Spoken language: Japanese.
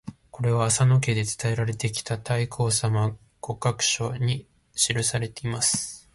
これは浅野家で伝えられてきた「太閤様御覚書」に記されています。